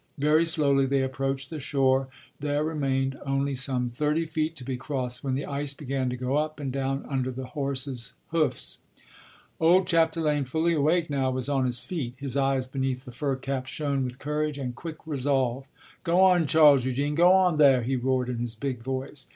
Very slowly they approached the shore; there remained only some thirty feet to be crossed when the ice began to go up and down under the horse's hoofs. Old Chapdelaine, fully awake now, was on his feet; his eyes beneath the fur cap shone with courage and quick resolve. "Go on, Charles Eugene! Go on there!" he roared in his big voice.